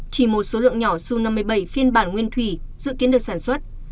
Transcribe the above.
chỉ một số lượng nhỏ su năm mươi bảy phiên bản nguyên thủy dự kiến được sản xuất